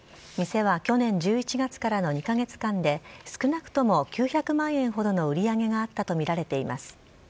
店は去年１１月からの２か月間で、少なくとも９００万円ほどの売り上げがあったと見られています。